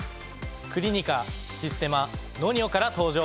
クリニカシステマＮＯＮＩＯから登場！